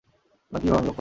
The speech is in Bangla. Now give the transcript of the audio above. আমরা কীভাবে আনলক করব?